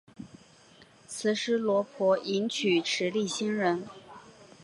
毗尸罗婆迎娶持力仙人。